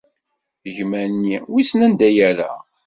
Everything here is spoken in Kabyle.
Gma-nni wissen anda yerra.